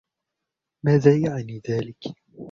ماذا يعني ذلك ؟